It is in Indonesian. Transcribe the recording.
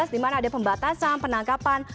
dimana ada pembatasan penangkapan